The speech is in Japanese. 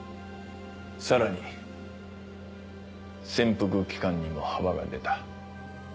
さらに潜伏期間にも幅が出た。